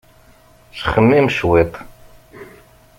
Ttxemmim cwiṭ!